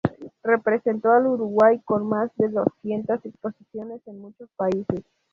Representó al Uruguay con más de doscientas exposiciones en muchos países.